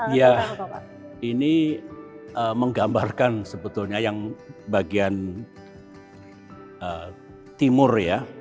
ya ini menggambarkan sebetulnya yang bagian timur ya